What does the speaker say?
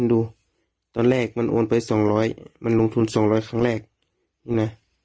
ดูตอนแรกมันโอนไปสองร้อยมันลงทุนสองร้อยครั้งแรกนะ